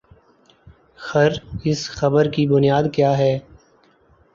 خر اس خبر کی بنیاد کیا ہے؟